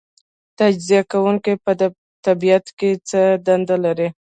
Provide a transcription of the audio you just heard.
تجزیه کوونکي په طبیعت کې څه دنده لري